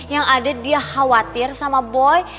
yang ada dia khawatir sama boy